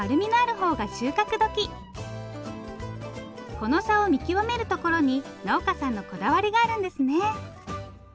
この差を見極めるところに農家さんのこだわりがあるんですね。